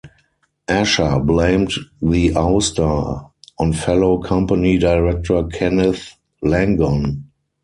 Asher blamed the ouster on fellow company director Kenneth Langone.